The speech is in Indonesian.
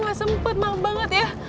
wah sempet maaf banget ya